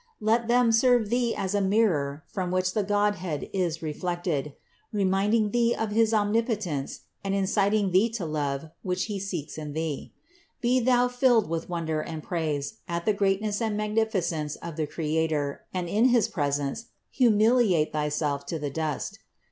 Let them serve thee as a mirror from which the Godhead is reflected, reminding thee of his Omnipotence and inciting thee to the love, which He seeks in thee. Be thou filled with wonder and praise at the greatness and magnificence of the Creator and in his presence humiliate thyself to the dust.